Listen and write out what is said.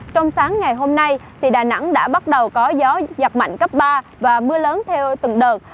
trong sáng ngày hôm nay đà nẵng đã bắt đầu có gió giặc mạnh cấp ba và mưa lớn theo từng đợt